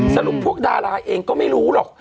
พวกดาราเองก็ไม่รู้หรอก